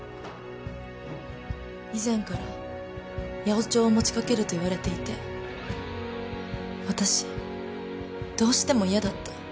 以前から八百長を持ちかけると言われていて私どうしても嫌だった。